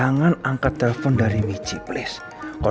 nggak apa apa demi seorang buci yang terjemah